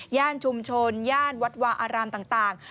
ย่านชุมชนย่านวัดวาอารามต่าง